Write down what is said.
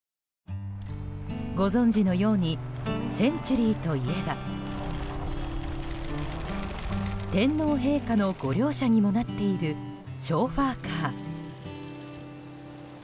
ご存じのようにセンチュリーといえば天皇陛下の御料車にもなっているショーファーカー。